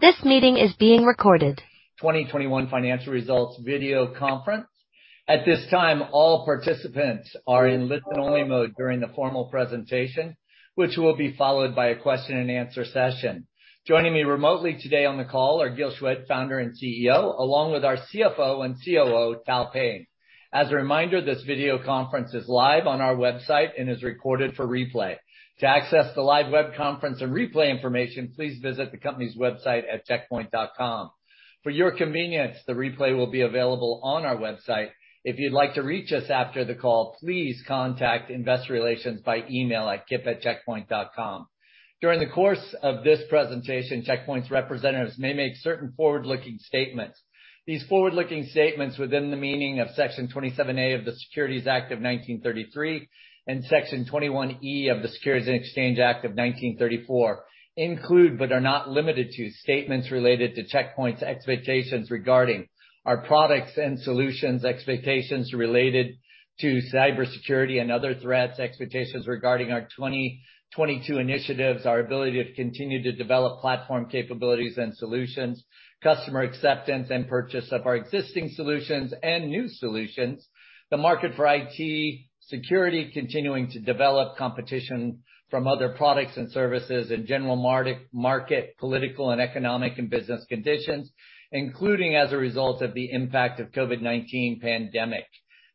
2021 financial results video conference. At this time, all participants are in listen-only mode during the formal presentation, which will be followed by a question and answer session. Joining me remotely today on the call are Gil Shwed, Founder and CEO, along with our CFO and COO, Tal Payne. As a reminder, this video conference is live on our website and is recorded for replay. To access the live web conference and replay information, please visit the company's website at checkpoint.com. For your convenience, the replay will be available on our website. If you'd like to reach us after the call, please contact investor relations by email at kip@checkpoint.com. During the course of this presentation, Check Point's representatives may make certain forward-looking statements. These forward-looking statements within the meaning of Section 27A of the Securities Act of 1933 and Section 21E of the Securities and Exchange Act of 1934 include, but are not limited to, statements related to Check Point's expectations regarding our products and solutions, expectations related to cybersecurity and other threats, expectations regarding our 2022 initiatives, our ability to continue to develop platform capabilities and solutions, customer acceptance and purchase of our existing solutions and new solutions, the market for IT security continuing to develop, competition from other products and services and general market, political and economic and business conditions, including as a result of the impact of COVID-19 pandemic.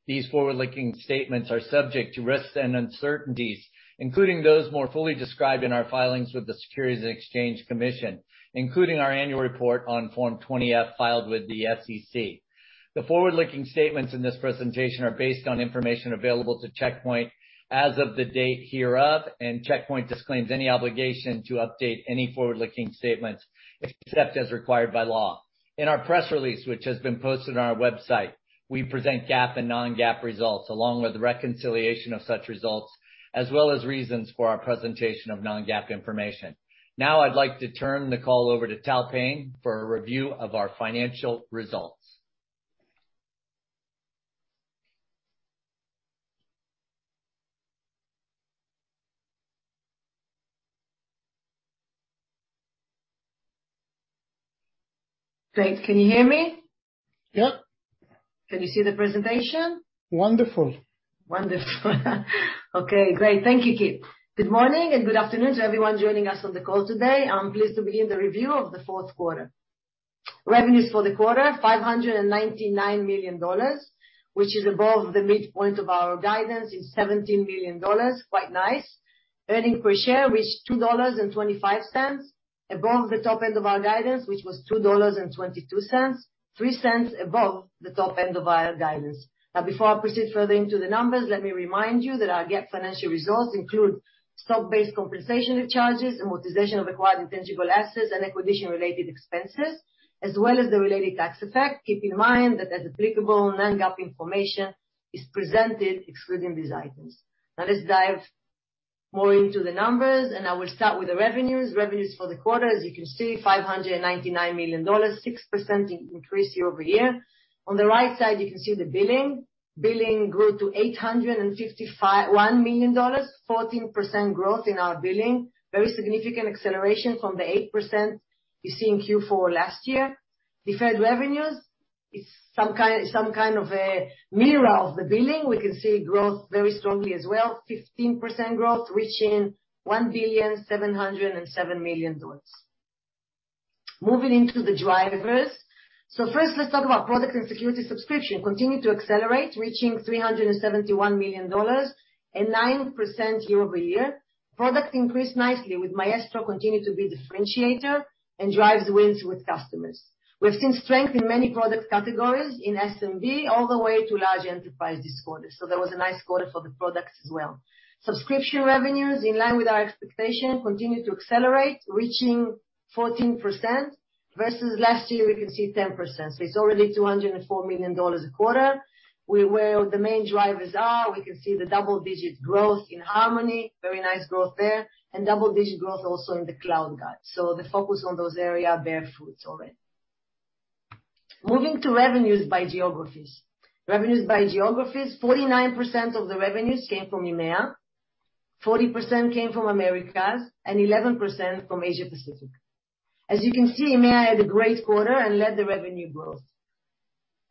These forward-looking statements are subject to risks and uncertainties, including those more fully described in our filings with the Securities and Exchange Commission, including our annual report on Form 20-F filed with the SEC. The forward-looking statements in this presentation are based on information available to Check Point as of the date hereof, and Check Point disclaims any obligation to update any forward-looking statements except as required by law. In our press release, which has been posted on our website, we present GAAP and non-GAAP results along with the reconciliation of such results, as well as reasons for our presentation of non-GAAP information. Now I'd like to turn the call over to Tal Payne for a review of our financial results. Great. Can you hear me? Yep. Can you see the presentation? Wonderful. Wonderful. Okay, great. Thank you, Kip. Good morning and good afternoon to everyone joining us on the call today. I'm pleased to begin the review of the fourth quarter. Revenues for the quarter, $599 million, which is $17 million above the midpoint of our guidance. Quite nice. Earnings per share reached $2.25, 3 cents above the top end of our guidance, which was $2.22. Now, before I proceed further into the numbers, let me remind you that our GAAP financial results include stock-based compensation charges, amortization of acquired intangible assets and acquisition-related expenses, as well as the related tax effect. Keep in mind that as applicable, non-GAAP information is presented excluding these items. Now let's dive more into the numbers, and I will start with the revenues. Revenues for the quarter, as you can see, $599 million, 6% increase year-over-year. On the right side, you can see the billing. Billing grew to $851 million, 14% growth in our billing. Very significant acceleration from the 8% you see in Q4 last year. Deferred revenues is some kind of a mirror of the billing. We can see growth very strongly as well, 15% growth, reaching $1,707 million. Moving into the drivers. First let's talk about product and security subscription. Continue to accelerate, reaching $371 million and 9% year-over-year. Products increased nicely, with Maestro continue to be differentiator and drives wins with customers. We've seen strength in many product categories in SMB all the way to large enterprise this quarter, so that was a nice quarter for the products as well. Subscription revenues, in line with our expectations, continued to accelerate, reaching 14% versus last year we can see 10%. It's already $204 million a quarter, where the main drivers are, we can see the double-digit growth in Harmony, very nice growth there, and double-digit growth also in the CloudGuard. The focus on those area bear fruits already. Moving to revenues by geographies. Revenues by geographies, 49% of the revenues came from EMEA, 40% came from Americas, and 11% from Asia Pacific. As you can see, EMEA had a great quarter and led the revenue growth.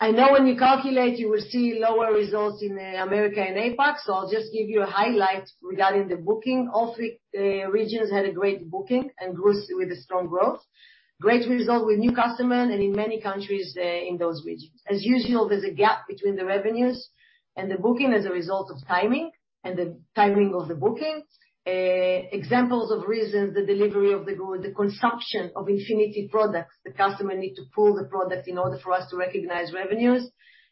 I know when you calculate, you will see lower results in America and APAC, so I'll just give you a highlight regarding the booking. All regions had a great booking and growth with a strong growth. Great result with new customer and in many countries in those regions. As usual, there's a gap between the revenues and the booking as a result of timing and the timing of the booking. Examples of reasons, the delivery of the goods, the consumption of Infinity products. The customer need to pull the product in order for us to recognize revenues.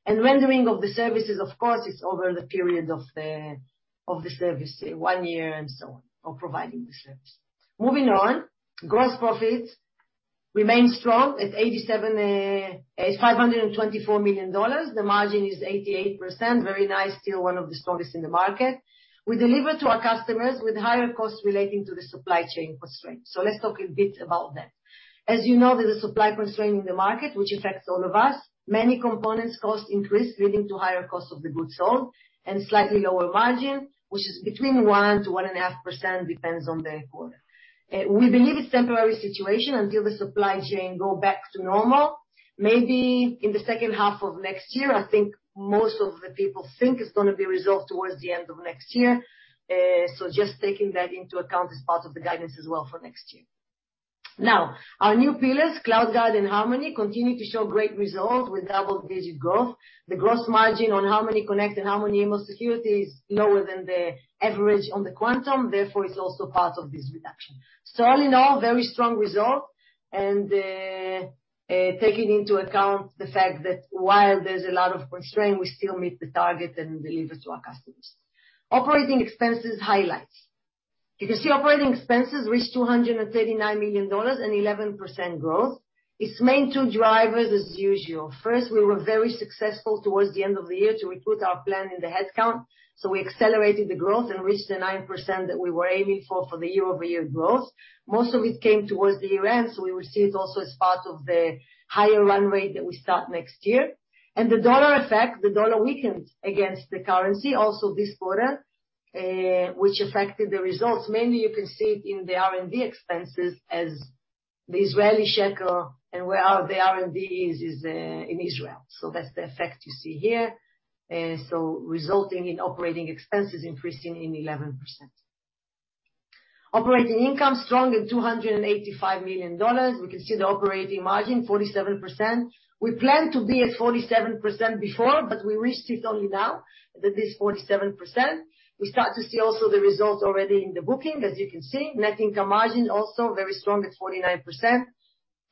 Rendering of the services, of course, is over the period of the service, say, one year and so on of providing the service. Moving on. Gross profit remained strong at $524 million. The margin is 88%. Very nice. Still one of the strongest in the market. We deliver to our customers with higher costs relating to the supply chain constraints. Let's talk a bit about that. As you know, there's a supply constraint in the market which affects all of us. Many components cost increase, leading to higher cost of the goods sold and slightly lower margin, which is between 1%-1.5%, depends on the quarter. We believe it's temporary situation until the supply chain go back to normal. Maybe in the second half of next year, I think most of the people think it's gonna be resolved towards the end of next year. Just taking that into account as part of the guidance as well for next year. Now, our new pillars, CloudGuard and Harmony, continue to show great results with double-digit growth. The gross margin on Harmony Connect and Harmony Email Security is lower than the average on the Quantum, therefore, it's also part of this reduction. All in all, very strong result and taking into account the fact that while there's a lot of constraint, we still meet the target and deliver to our customers. Operating expenses highlights. You can see operating expenses reached $239 million and 11% growth. Its main two drivers, as usual. First, we were very successful towards the end of the year to recruit on plan in the headcount, so we accelerated the growth and reached the 9% that we were aiming for the year-over-year growth. Most of it came towards the year-end, so we will see it also as part of the higher run rate that we start next year. The dollar effect, the dollar weakened against the currency also this quarter, which affected the results. Mainly, you can see it in the R&D expenses as the Israeli shekel, and where our R&D is in Israel. That's the effect you see here. Resulting in operating expenses increasing by 11%. Operating income, strong at $285 million. We can see the operating margin, 47%. We planned to be at 47% before, but we reached it only now, that is 47%. We start to see also the results already in the booking, as you can see. Net income margin also very strong at 49%.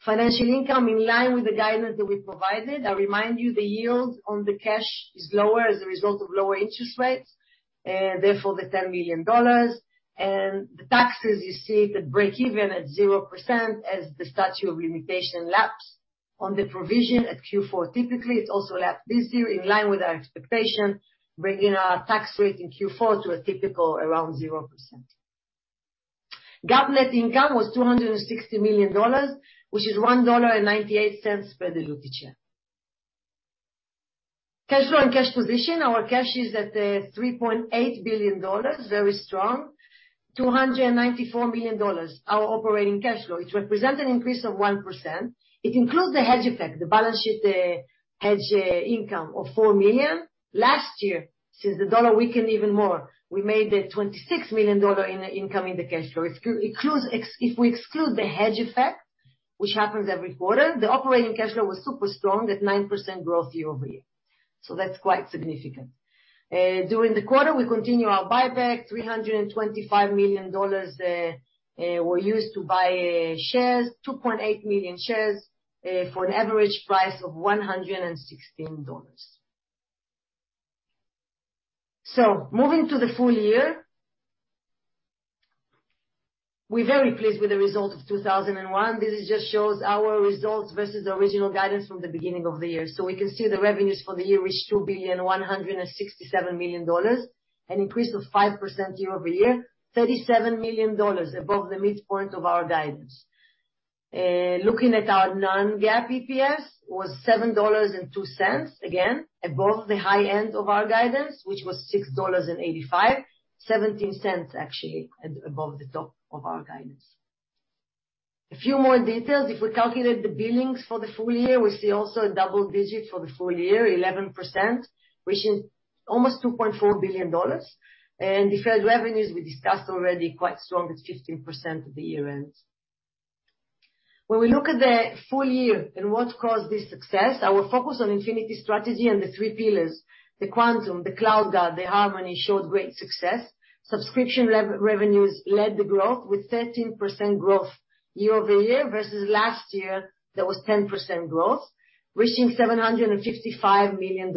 Financial income in line with the guidance that we provided. I remind you the yield on the cash is lower as a result of lower interest rates, therefore the $10 million. The taxes, you see the breakeven at 0% as the statute of limitations lapses on the provision at Q4. Typically, it's also lapsed this year in line with our expectation, bringing our tax rate in Q4 to a typical around 0%. GAAP net income was $260 million, which is $1.98 per diluted share. Cash flow and cash position. Our cash is at $3.8 billion, very strong. $294 million, our operating cash flow. It represents an increase of 1%. It includes the hedge effect, the balance sheet hedge income of $4 million. Last year, since the dollar weakened even more, we made a $26 million income in the cash flow. If we exclude the hedge effect, which happens every quarter, the operating cash flow was super strong at 9% growth year-over-year. That's quite significant. During the quarter, we continue our buyback. $325 million were used to buy shares, 2.8 million shares, for an average price of $116. Moving to the full year. We're very pleased with the result of 2021. This just shows our results versus the original guidance from the beginning of the year. We can see the revenues for the year reached $2.167 billion, an increase of 5% year-over-year, $37 million above the midpoint of our guidance. Looking at our non-GAAP EPS was $7.02, again, above the high end of our guidance, which was $6.85, 17 cents actually above the top of our guidance. A few more details. If we calculate the billings for the full year, we see also a double-digit for the full year, 11%, which is almost $2.4 billion. Deferred revenues, we discussed already, quite strong at 15% at the year-end. When we look at the full year and what caused this success, our focus on Infinity strategy and the three pillars, the Quantum, the CloudGuard, the Harmony, showed great success. Subscription revenues led the growth with 13% growth year-over-year versus last year, that was 10% growth, reaching $755 million.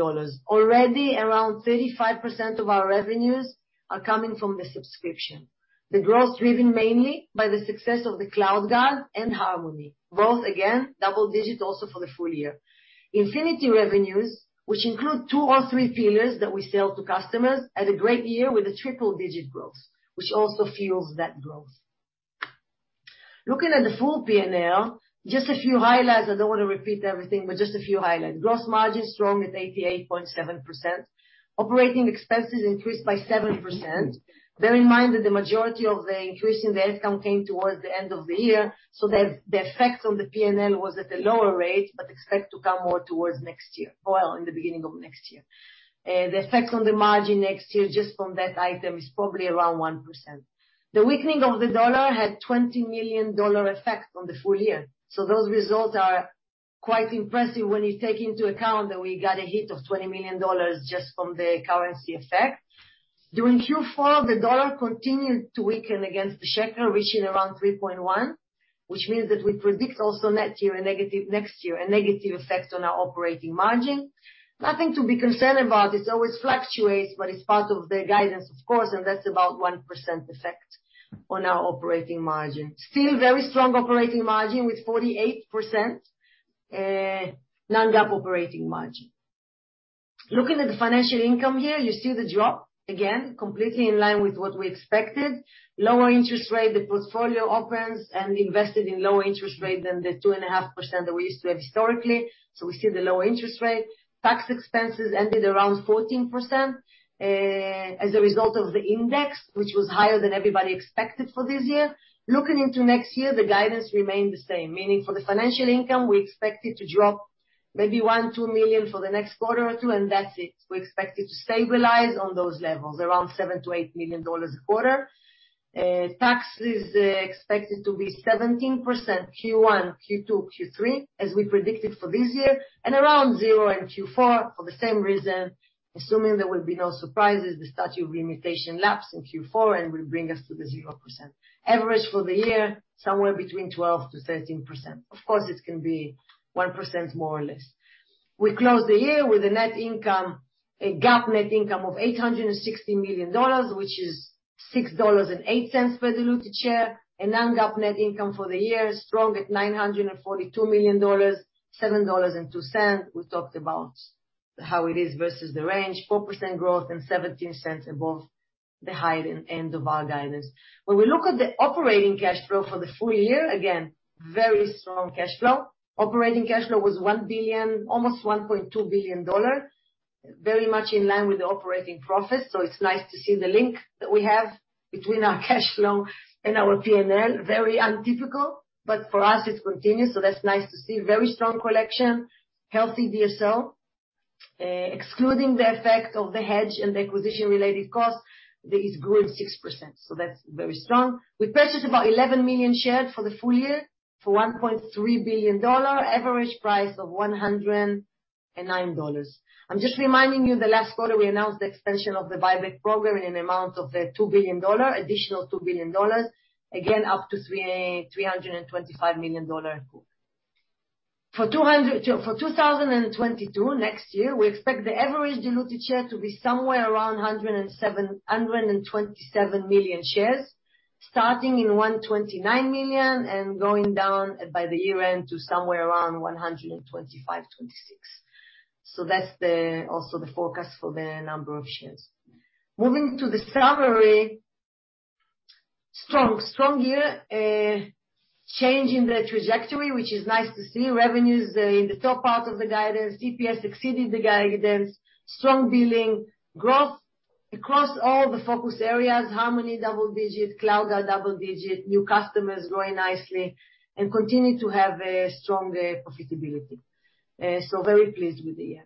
Already, around 35% of our revenues are coming from the subscription. The growth driven mainly by the success of the CloudGuard and Harmony, both again, double-digit also for the full year. Infinity revenues, which include two or three pillars that we sell to customers, had a great year with a triple-digit growth, which also fuels that growth. Looking at the full P&L, just a few highlights. I don't want to repeat everything, but just a few highlights. Gross margin, strong at 88.7%. Operating expenses increased by 7%. Bear in mind that the majority of the increase in the headcount came towards the end of the year, so the effect on the P&L was at a lower rate, but expect to come more towards next year. Well, in the beginning of next year. The effect on the margin next year just from that item is probably around 1%. The weakening of the dollar had $20 million effect on the full year. Those results are quite impressive when you take into account that we got a hit of $20 million just from the currency effect. During Q4, the dollar continued to weaken against the shekel, reaching around 3.1, which means that we predict next year a negative effect on our operating margin. Nothing to be concerned about. It always fluctuates, but it's part of the guidance of course, and that's about 1% effect on our operating margin. Still very strong operating margin with 48%, non-GAAP operating margin. Looking at the financial income here, you see the drop again, completely in line with what we expected. Lower interest rate. The portfolio is invested in lower interest rate than the 2.5% that we used to have historically. We see the lower interest rate. Tax expense ended around 14%, as a result of the index, which was higher than everybody expected for this year. Looking into next year, the guidance remained the same, meaning for the financial income, we expect it to drop. Maybe 1-2 million for the next quarter or two, and that's it. We expect it to stabilize on those levels, around $7 million-$8 million a quarter. Tax is expected to be 17% Q1, Q2, Q3 as we predicted for this year, and around 0% in Q4 for the same reason, assuming there will be no surprises, the statute of limitations lapse in Q4, and will bring us to the 0%. Average for the year, somewhere between 12%-13%. Of course, this can be 1% more or less. We close the year with a net income, a GAAP net income of $860 million, which is $6.08 per diluted share. Non-GAAP net income for the year is strong at $942 million, $7.02. We talked about how it is versus the range, 4% growth and $0.17 above the high end of our guidance. When we look at the operating cash flow for the full year, again, very strong cash flow. Operating cash flow was $1 billion, almost $1.2 billion, very much in line with the operating profits. It's nice to see the link that we have between our cash flow and our P&L. Very untypical, but for us, it's continuous, so that's nice to see. Very strong collection, healthy DSO. Excluding the effect of the hedge and the acquisition-related cost, that is good, 6%, so that's very strong. We purchased about 11 million shares for the full year for $1.3 billion, average price of $109. I'm just reminding you the last quarter we announced the extension of the buyback program in an amount of $2 billion, additional $2 billion, again, up to $325 million for 2022. Next year, we expect the average diluted share to be somewhere around 127 million shares, starting in 129 million and going down by the year-end to somewhere around 125-126. That's also the forecast for the number of shares. Moving to the summary. Strong year. Change in the trajectory, which is nice to see. Revenues in the top part of the guidance. CPS exceeded the guidance. Strong billing. Growth across all the focus areas. Harmony, double digits. Cloud double digits. New customers growing nicely. Continue to have strong profitability. Very pleased with the year.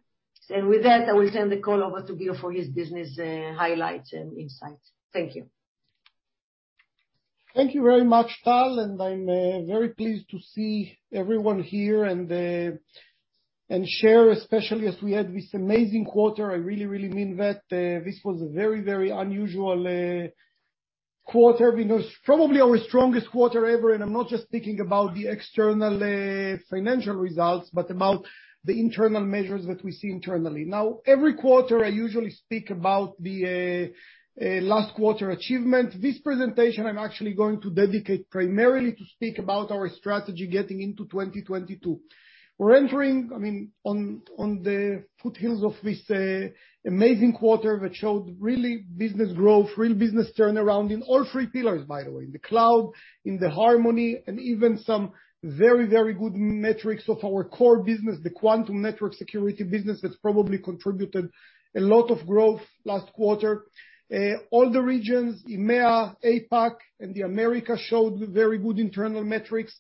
With that, I will turn the call over to Gil for his business highlights and insights. Thank you. Thank you very much, Tal, and I'm very pleased to see everyone here and share, especially as we had this amazing quarter. I really mean that. This was a very unusual quarter. I mean, it was probably our strongest quarter ever, and I'm not just thinking about the external financial results, but about the internal measures that we see internally. Now, every quarter, I usually speak about the last quarter achievement. This presentation, I'm actually going to dedicate primarily to speak about our strategy getting into 2022. We're entering, I mean, on the foothills of this amazing quarter that showed really business growth, real business turnaround in all three pillars, by the way. In the cloud, in the Harmony, and even some very, very good metrics of our core business, the Quantum Network Security business that's probably contributed a lot of growth last quarter. All the regions, EMEA, APAC, and the Americas showed very good internal metrics.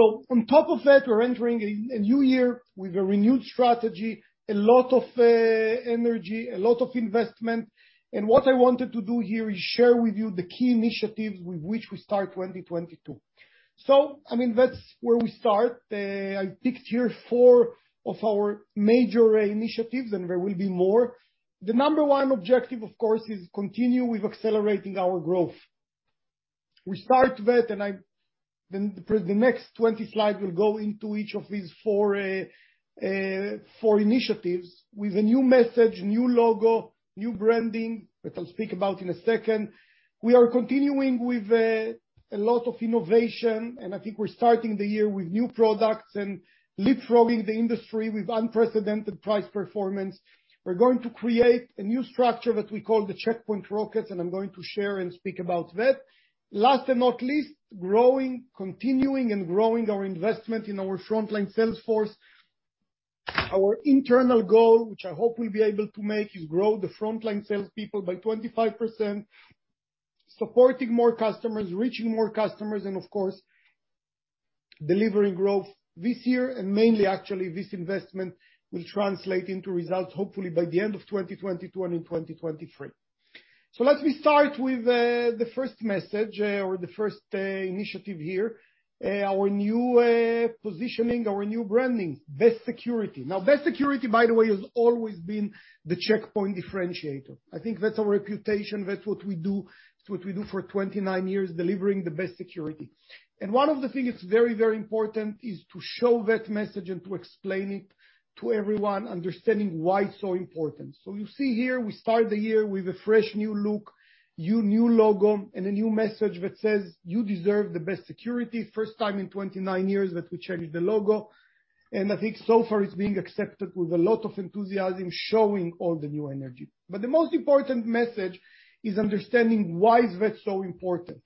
On top of that, we're entering a new year with a renewed strategy, a lot of energy, a lot of investment. What I wanted to do here is share with you the key initiatives with which we start 2022. I mean, that's where we start. I picked here four of our major initiatives, and there will be more. The number one objective, of course, is continue with accelerating our growth. The next 20 slides will go into each of these four initiatives with a new message, new logo, new branding, which I'll speak about in a second. We are continuing with a lot of innovation, and I think we're starting the year with new products and leapfrogging the industry with unprecedented price performance. We're going to create a new structure that we call the Check Point Rockets, and I'm going to share and speak about that. Last and not least, continuing and growing our investment in our frontline sales force. Our internal goal, which I hope we'll be able to make, is grow the frontline salespeople by 25%, supporting more customers, reaching more customers, and of course, delivering growth this year. Mainly, actually, this investment will translate into results, hopefully by the end of 2022 and in 2023. Let me start with the first message or the first initiative here. Our new positioning, our new branding, Best Security. Now, Best Security, by the way, has always been the Check Point differentiator. I think that's our reputation. That's what we do, it's what we do for 29 years, delivering the best security. One of the things that's very, very important is to show that message and to explain it to everyone, understanding why it's so important. You see here, we start the year with a fresh new look, new logo, and a new message that says, "You deserve the best security." First time in 29 years that we changed the logo, and I think so far it's being accepted with a lot of enthusiasm, showing all the new energy. The most important message is understanding why is that so important.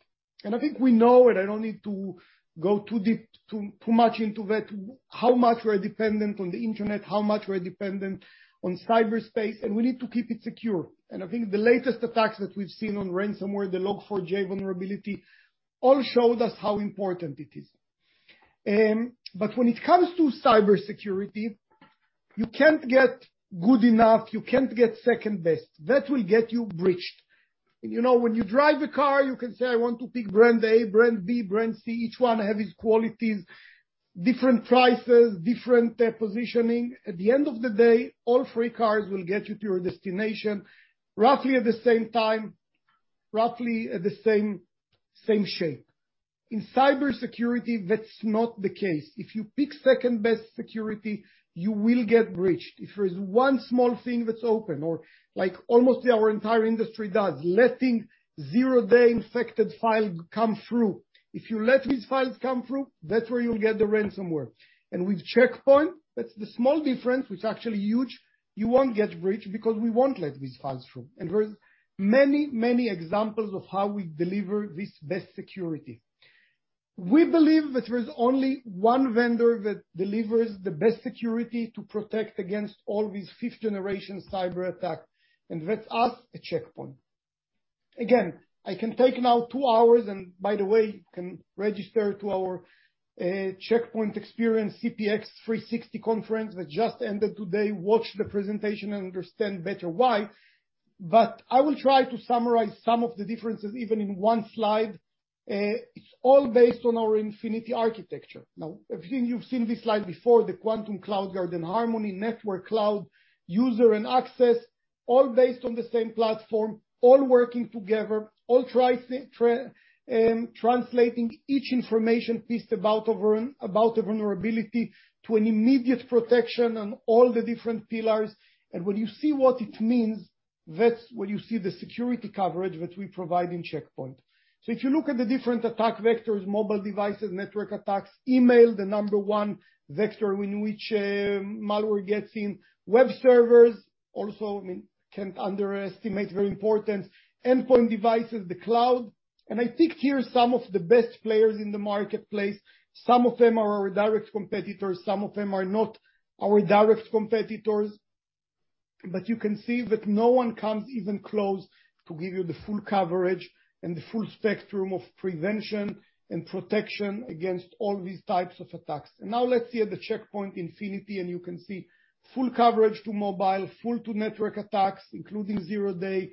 I think we know it. I don't need to go too deep, too much into that, how much we're dependent on the Internet, how much we're dependent on cyberspace, and we need to keep it secure. I think the latest attacks that we've seen on ransomware, the Log4j vulnerability. All showed us how important it is. When it comes to cybersecurity, you can't get good enough, you can't get second best. That will get you breached. You know, when you drive a car, you can say, "I want to pick brand A, brand B, brand C, each one have its qualities, different prices, different positioning." At the end of the day, all three cars will get you to your destination roughly at the same time, roughly at the same shape. In cybersecurity, that's not the case. If you pick second-best security, you will get breached. If there is one small thing that's open or like almost our entire industry does, letting zero-day infected file come through. If you let these files come through, that's where you'll get the ransomware. With Check Point, that's the small difference, which is actually huge, you won't get breached because we won't let these files through. There's many, many examples of how we deliver this best security. We believe that there's only one vendor that delivers the best security to protect against all these fifth-generation cyberattack, and that's us at Check Point. Again, I can take now two hours, and by the way, you can register to our Check Point Experience, CPX 360 conference that just ended today, watch the presentation and understand better why. I will try to summarize some of the differences even in one slide. It's all based on our Infinity architecture. Now, if you've seen this slide before, the Quantum, CloudGuard, and Harmony Network, Cloud, User, and Access, all based on the same platform, all working together, all threat-centric, translating each information piece about a vulnerability to an immediate protection on all the different pillars. When you see what it means, that's when you see the security coverage that we provide in Check Point. If you look at the different attack vectors, mobile devices, network attacks, email, the number one vector in which malware gets in, web servers, also, I mean, can't underestimate their importance, endpoint devices, the cloud. I think here are some of the best players in the marketplace. Some of them are our direct competitors, some of them are not our direct competitors. You can see that no one comes even close to give you the full coverage and the full spectrum of prevention and protection against all these types of attacks. Now, let's see at the Check Point Infinity, and you can see full coverage to mobile, full to network attacks, including zero-day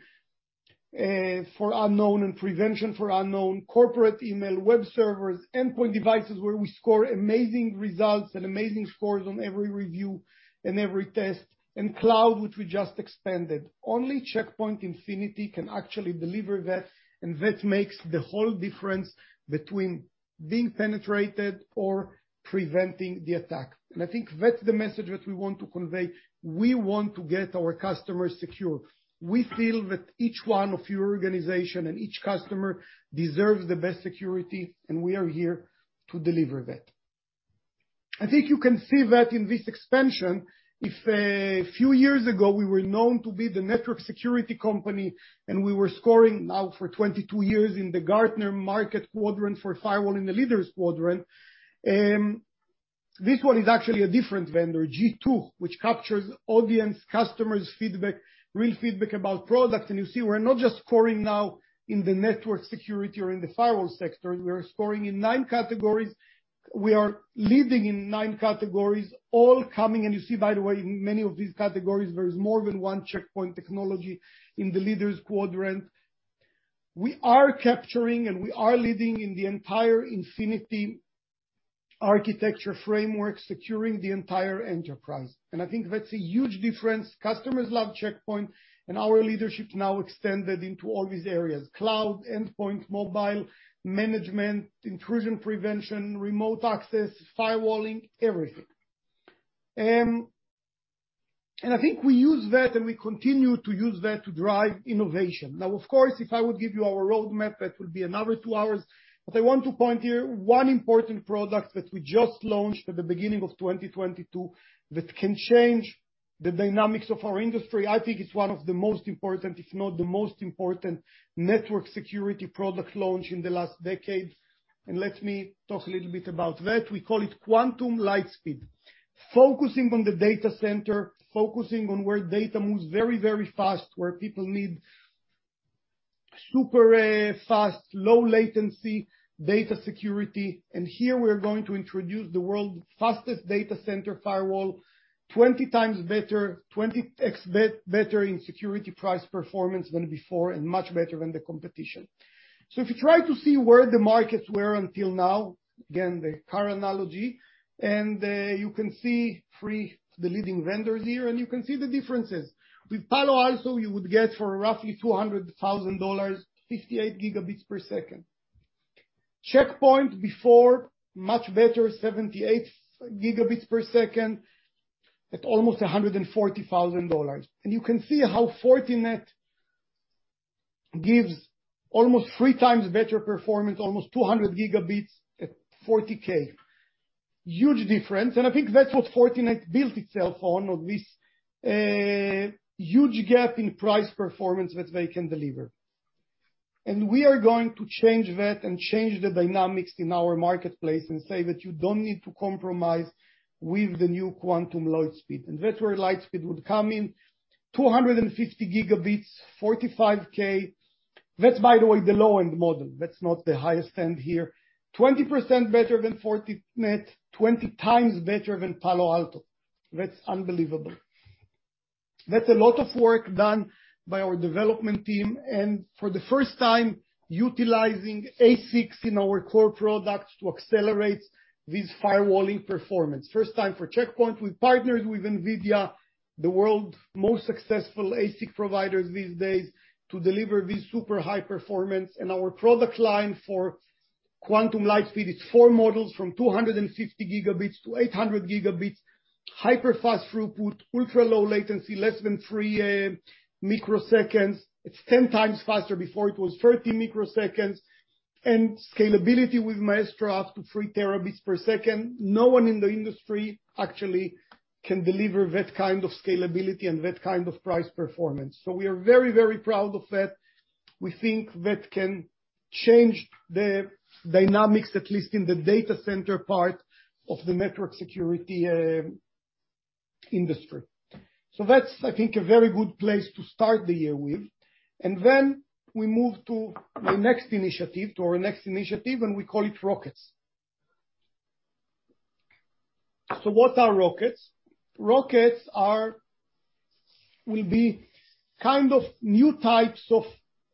for unknown and prevention for unknown, corporate email, web servers, endpoint devices where we score amazing results and amazing scores on every review and every test, and cloud, which we just expanded. Only Check Point Infinity can actually deliver that, and that makes the whole difference between being penetrated or preventing the attack. I think that's the message that we want to convey. We want to get our customers secure. We feel that each one of your organization and each customer deserves the best security, and we are here to deliver that. I think you can see that in this expansion. If a few years ago, we were known to be the network security company, and we were scoring now for 22 years in the Gartner Magic Quadrant for firewall in the leaders quadrant. This one is actually a different vendor, G2, which captures audience, customers feedback, real feedback about product. You see, we're not just scoring now in the network security or in the firewall sector, we are scoring in nine categories. We are leading in nine categories, all coming. You see, by the way, in many of these categories, there is more than one Check Point technology in the leaders quadrant. We are capturing, and we are leading in the entire Infinity architecture framework, securing the entire enterprise. I think that's a huge difference. Customers love Check Point, and our leadership now extended into all these areas, cloud, endpoint, mobile, management, intrusion prevention, remote access, firewalling, everything. I think we use that, and we continue to use that to drive innovation. Now, of course, if I would give you our roadmap, that would be another two hours. I want to point here one important product that we just launched at the beginning of 2022 that can change the dynamics of our industry. I think it's one of the most important, if not the most important, network security product launch in the last decade. Let me talk a little bit about that. We call it Quantum LightSpeed. Focusing on the data center, focusing on where data moves very, very fast, where people need super fast, low latency data security. Here we're going to introduce the world's fastest data center firewall, 20 times better in security price performance than before and much better than the competition. If you try to see where the markets were until now, again, the car analogy, and you can see the three leading vendors here, and you can see the differences. With Palo Alto, you would get for roughly $200,000, 58 Gbps. Check Point before, much better, 78 gigabits per second at almost $140,000. You can see how Fortinet gives almost three times better performance, almost 200 gigabits at $40K. Huge difference, I think that's what Fortinet built itself on this huge gap in price performance that they can deliver. We are going to change that and change the dynamics in our marketplace and say that you don't need to compromise with the new Quantum LightSpeed. That's where LightSpeed would come in. 250 gigabits, $45K. That's by the way, the low-end model, that's not the highest end here. 20% better than Fortinet, 20 times better than Palo Alto. That's unbelievable. That's a lot of work done by our development team, and for the first time, utilizing ASICs in our core products to accelerate this firewalling performance. First time for Check Point, we've partnered with NVIDIA, the world's most successful ASIC providers these days, to deliver this super high performance. Our product line for Quantum LightSpeed is four models from 250 gigabits to 800 gigabits. Hyper fast throughput, ultra-low latency, less than three microseconds. It's 10 times faster, before it was 30 microseconds. Scalability with Maestro up to three terabits per second. No one in the industry actually can deliver that kind of scalability and that kind of price performance. We are very, very proud of that. We think that can change the dynamics, at least in the data center part of the network security industry. That's, I think, a very good place to start the year with. Then we move to our next initiative, and we call it Rockets. What are Rockets? Rockets will be kind of new types of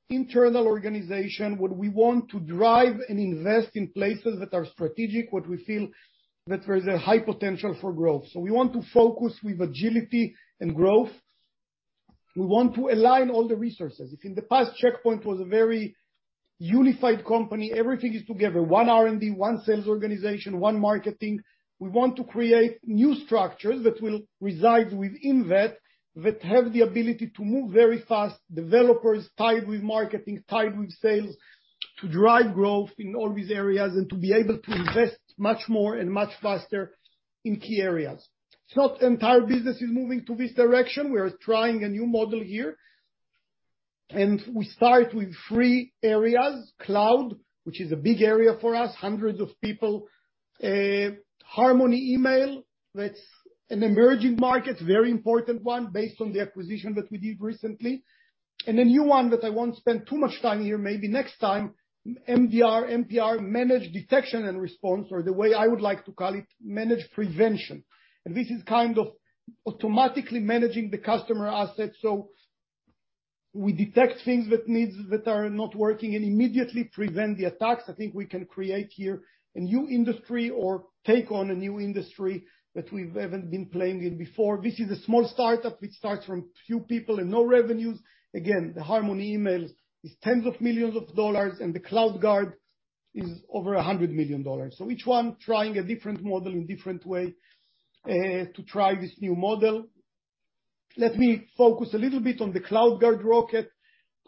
internal organization, what we want to drive and invest in places that are strategic, what we feel that there's a high potential for growth. We want to focus with agility and growth. We want to align all the resources. If in the past, Check Point was a very unified company, everything is together, one R&D, one sales organization, one marketing. We want to create new structures that will reside within that have the ability to move very fast. Developers tied with marketing, tied with sales, to drive growth in all these areas, and to be able to invest much more and much faster in key areas. It's not the entire business is moving to this direction, we are trying a new model here. We start with three areas: cloud, which is a big area for us, hundreds of people. Harmony Email, that's an emerging market, very important one based on the acquisition that we did recently. A new one that I won't spend too much time here, maybe next time, MDR, MPR, Managed Detection and Response, or the way I would like to call it, Managed Prevention. This is kind of automatically managing the customer assets. We detect things that are not working and immediately prevent the attacks. I think we can create here a new industry or take on a new industry that we've even been playing in before. This is a small startup which starts from few people and no revenues. Again, the Harmony Email is tens of millions of dollars, and the CloudGuard is over $100 million. Each one trying a different model in different way to try this new model. Let me focus a little bit on the CloudGuard Rocket.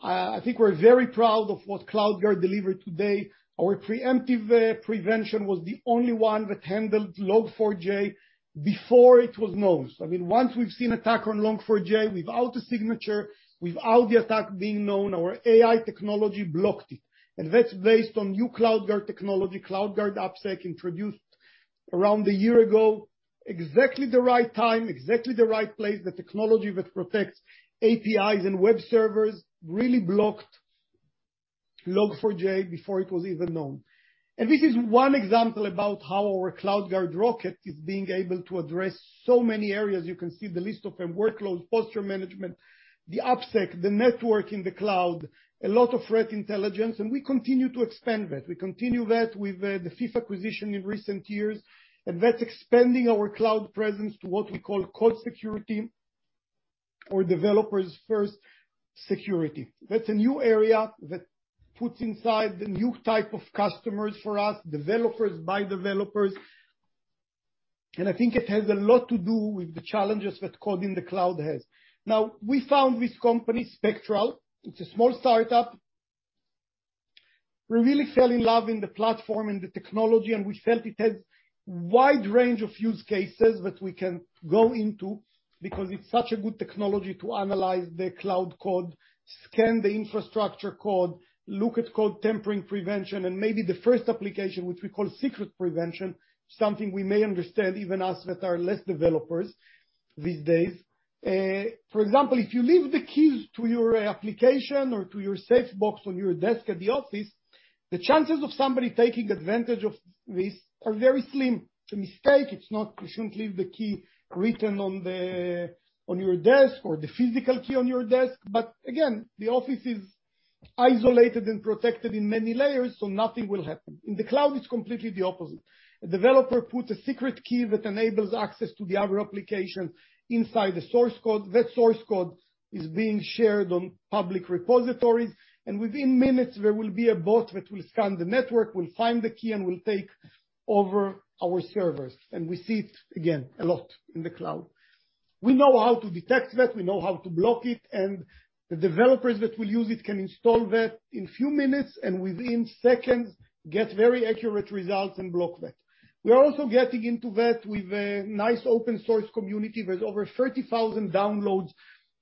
I think we're very proud of what CloudGuard delivered today. Our preemptive prevention was the only one that handled Log4j before it was known. I mean, once we've seen attack on Log4j, without a signature, without the attack being known, our AI technology blocked it. That's based on new CloudGuard technology, CloudGuard AppSec introduced around a year ago, exactly the right time, exactly the right place. The technology that protects APIs and web servers really blocked Log4j before it was even known. This is one example about how our CloudGuard Rocket is being able to address so many areas. You can see the list of them, workload, posture management, the AppSec, the network in the cloud, a lot of threat intelligence, and we continue to expand that. We continue that with the fifth acquisition in recent years, and that's expanding our cloud presence to what we call code security or developers-first security. That's a new area that puts inside the new type of customers for us, developers by developers. I think it has a lot to do with the challenges that code in the cloud has. Now, we found this company, Spectral. It's a small startup. We really fell in love in the platform and the technology, and we felt it has wide range of use cases that we can go into because it's such a good technology to analyze the cloud code, scan the infrastructure code, look at code tampering prevention, and maybe the first application, which we call secrets prevention, something we may understand, even us that are less developers these days. For example, if you leave the keys to your application or to your safe box on your desk at the office, the chances of somebody taking advantage of this are very slim. It's a mistake. You shouldn't leave the key written on your desk, or the physical key on your desk. But again, the office is isolated and protected in many layers, so nothing will happen. In the cloud, it's completely the opposite. A developer puts a secret key that enables access to the other application inside the source code. That source code is being shared on public repositories, and within minutes, there will be a bot that will scan the network, will find the key, and will take over our servers. We see it, again, a lot in the cloud. We know how to detect that, we know how to block it, and the developers that will use it can install that in few minutes, and within seconds, get very accurate results and block that. We are also getting into that with a nice open source community. There's over 30,000 downloads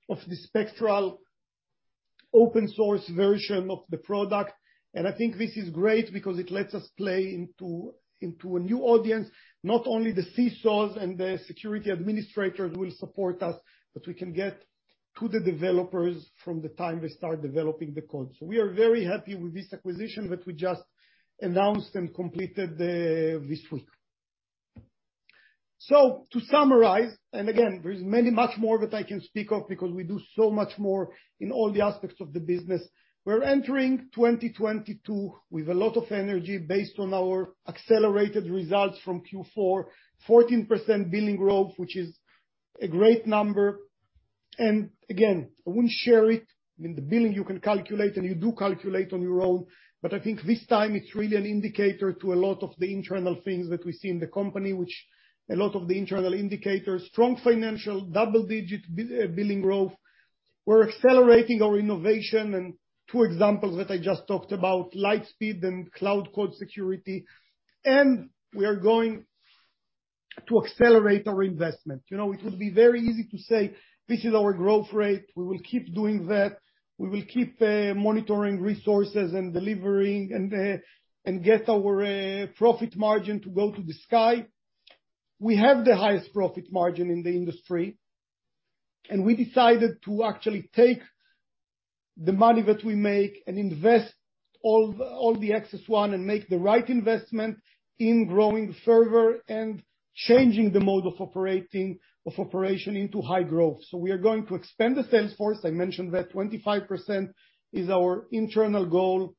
of the Spectral open source version of the product. I think this is great because it lets us play into a new audience, not only the CISOs and the security administrators will support us, but we can get to the developers from the time they start developing the code. We are very happy with this acquisition that we just announced and completed this week. To summarize, and again, there is many much more that I can speak of because we do so much more in all the aspects of the business. We're entering 2022 with a lot of energy based on our accelerated results from Q4, 14% billing growth, which is a great number. Again, I wouldn't share it. I mean, the billing you can calculate, and you do calculate on your own. I think this time it's really an indicator to a lot of the internal things that we see in the company, which a lot of the internal indicators, strong financial, double-digit billing growth. We're accelerating our innovation. Two examples that I just talked about, LightSpeed and Cloud Code Security. We are going to accelerate our investment. You know, it would be very easy to say, "This is our growth rate. We will keep doing that. We will keep monitoring resources and delivering and get our profit margin to go to the sky." We have the highest profit margin in the industry, and we decided to actually take the money that we make and invest all the excess one and make the right investment in growing further and changing the mode of operating, of operation into high growth. We are going to expand the sales force. I mentioned that 25% is our internal goal.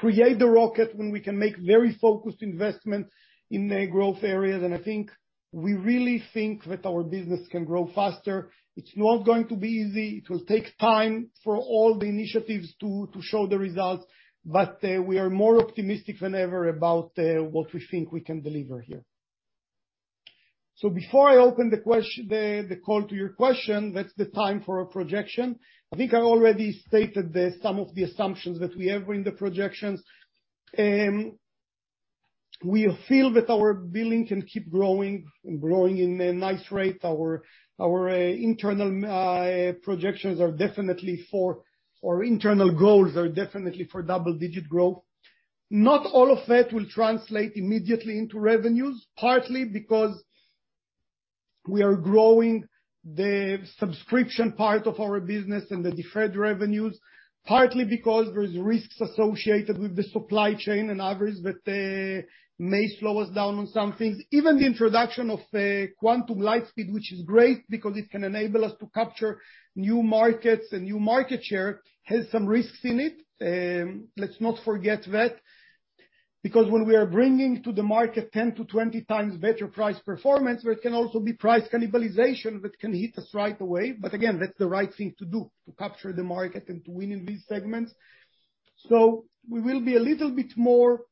Check Point Rockets when we can make very focused investments in the growth areas. I think we really think that our business can grow faster. It's not going to be easy. It will take time for all the initiatives to show the results. We are more optimistic than ever about what we think we can deliver here. Before I open the call to your questions, that's the time for a projection. I think I already stated some of the assumptions that we have in the projections. We feel that our billing can keep growing and growing at a nice rate. Our internal goals are definitely for double-digit growth. Not all of that will translate immediately into revenues, partly because we are growing the subscription part of our business and the deferred revenues, partly because there is risks associated with the supply chain and others that may slow us down on some things. Even the introduction of Quantum LightSpeed, which is great because it can enable us to capture new markets and new market share, has some risks in it. Let's not forget that. Because when we are bringing to the market 10-20 times better price performance, where it can also be price cannibalization that can hit us right away. Again, that's the right thing to do, to capture the market and to win in these segments. We will be a little bit more...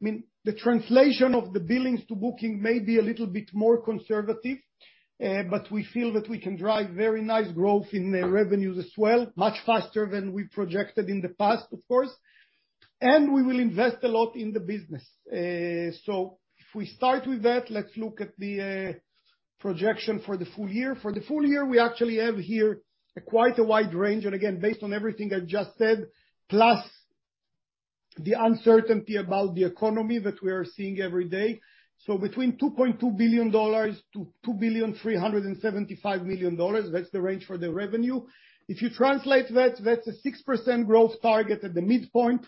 I mean, the translation of the billings to booking may be a little bit more conservative, but we feel that we can drive very nice growth in the revenues as well, much faster than we projected in the past, of course, and we will invest a lot in the business. If we start with that, let's look at the projection for the full year. For the full year, we actually have here quite a wide range, again based on everything I just said, plus the uncertainty about the economy that we are seeing every day. Between $2.2 billion-$2.375 billion, that's the range for the revenue. If you translate that's a 6% growth target at the midpoint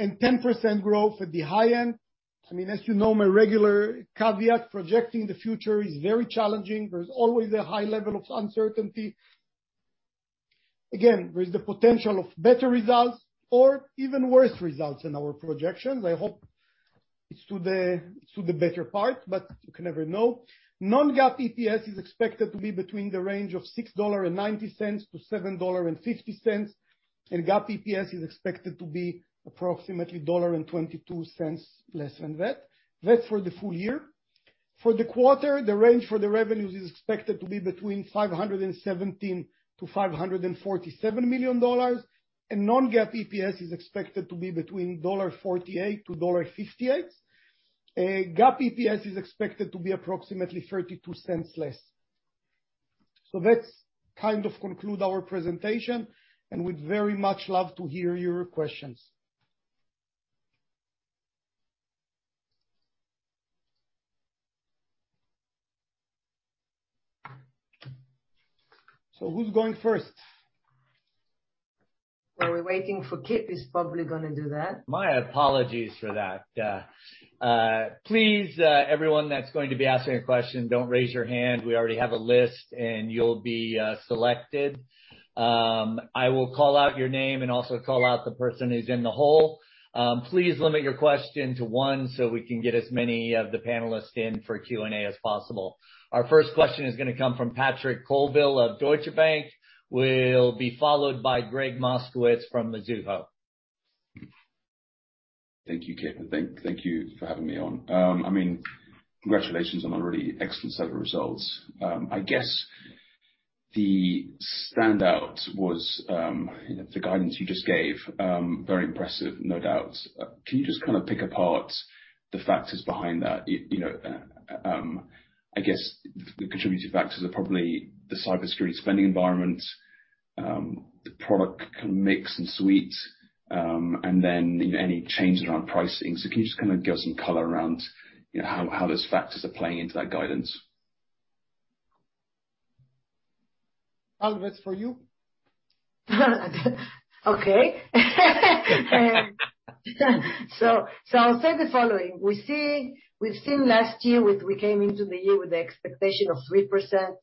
and 10% growth at the high end. I mean, as you know, my regular caveat, projecting the future is very challenging. There's always a high level of uncertainty. Again, there's the potential of better results or even worse results in our projections. I hope it's to the better part, but you can never know. Non-GAAP EPS is expected to be between the range of $6.90 to $7.50. GAAP EPS is expected to be approximately $1.22 less than that. That's for the full year. For the quarter, the range for the revenues is expected to be between $517 million to $547 million. Non-GAAP EPS is expected to be between $0.48 to $0.58. GAAP EPS is expected to be approximately 32 cents less. That's kind of conclude our presentation, and we'd very much love to hear your questions. Who's going first? Well, we're waiting for Kip. He's probably gonna do that. My apologies for that. Please, everyone that's going to be asking a question, don't raise your hand. We already have a list, and you'll be selected. I will call out your name and also call out the person who's in the hole. Please limit your question to one so we can get as many of the panelists in for Q&A as possible. Our first question is gonna come from Patrick Colville of Deutsche Bank and will be followed by Gregg Moskowitz from Mizuho. Thank you, Kip. Thank you for having me on. I mean, congratulations on a really excellent set of results. I guess the standout was, you know, the guidance you just gave, very impressive, no doubt. Can you just kind of pick apart the factors behind that? You know, I guess the contributing factors are probably the cybersecurity spending environment, the product mix and suites. Any changes around pricing. Can you just kind of give us some color around, you know, how those factors are playing into that guidance? Tal, that's for you. I'll say the following: We came into the year with the expectation of 3%,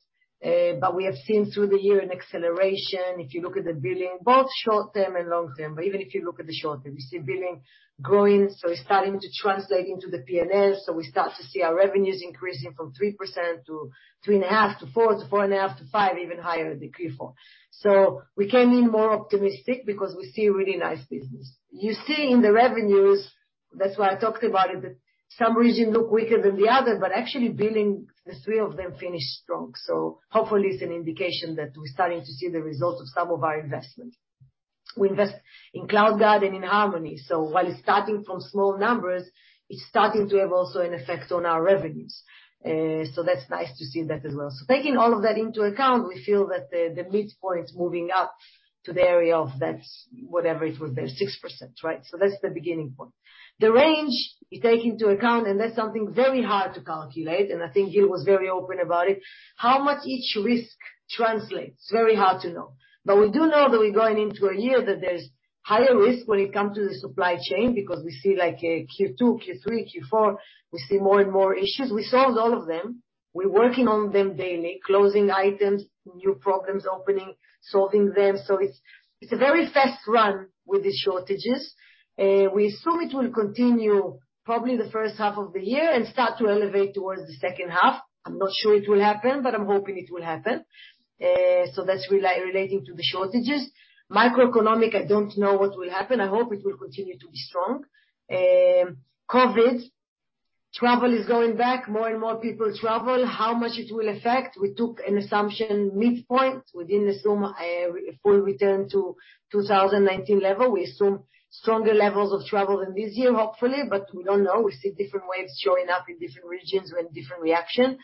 but we have seen through the year an acceleration. If you look at the billing, both short-term and long-term, but even if you look at the short term, we see billing growing, so it's starting to translate into the P&L. We start to see our revenues increasing from 3% to 3.5% to 4% to 4.5% to 5%, even higher in Q4. We came in more optimistic because we see a really nice business. You see in the revenues, that's why I talked about it, that some regions look weaker than the other, but actually billing, the three of them finished strong. Hopefully it's an indication that we're starting to see the results of some of our investment. We invest in CloudGuard and in Harmony. While it's starting from small numbers, it's starting to have also an effect on our revenues. That's nice to see that as well. Taking all of that into account, we feel that the midpoint's moving up to the area of that, whatever it was there, 6%, right? That's the beginning point. The range, you take into account, and that's something very hard to calculate, and I think Gil was very open about it. How much each risk translates, very hard to know. We do know that we're going into a year that there's higher risk when it comes to the supply chain, because we see like Q2, Q3, Q4, we see more and more issues. We solved all of them. We're working on them daily, closing items, new problems opening, solving them. It's a very fast run with the shortages. We assume it will continue probably the first half of the year and start to elevate towards the second half. I'm not sure it will happen, but I'm hoping it will happen. That's relating to the shortages. Macroeconomic, I don't know what will happen. I hope it will continue to be strong. COVID, travel is going back. More and more people travel. How much it will affect, we took an assumption midpoint. We didn't assume a full return to 2019 level. We assume stronger levels of travel than this year, hopefully, but we don't know. We see different waves showing up in different regions with different reaction.